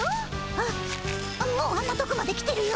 あっもうあんなとこまで来てるよ。